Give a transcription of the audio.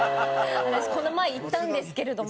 私この前行ったんですけれども。